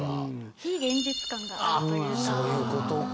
非現実感があるというか。